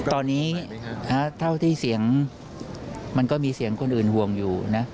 ตอนนี้เท่าที่เสียงมันก็มีเสียงคนอื่นห่วงอยู่นะ